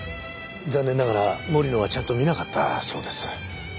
残念ながら森野はちゃんと見なかったそうです。